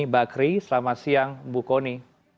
bakri selamat siang bu kony